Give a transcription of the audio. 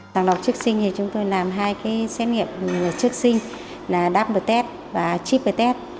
trang đọc trức sinh thì chúng tôi làm hai cái xét nghiệm trức sinh là đáp bờ tét và chi bờ tét